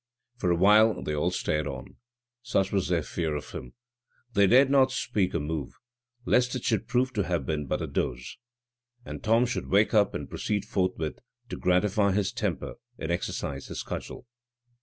For a while they all stared on; such was their fear of him, they dared not speak or move, lest it should prove to have been but a doze, and Tom should wake up and proceed forthwith to gratify his temper and exercise his cudgel.